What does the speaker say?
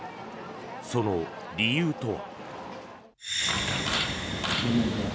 その理由とは。